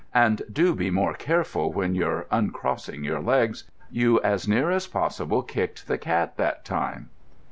And do be more careful when you're uncrossing your legs. You as near as possible kicked the cat that time."